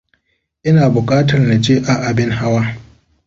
Ina bukatar naje a abin hawa.